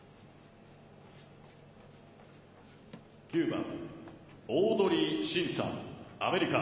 ９番オードリー・シンさん、アメリカ。